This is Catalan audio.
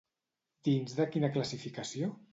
Dins de quina classificació?